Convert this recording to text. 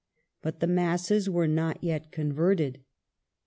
But the masses were not yet converted.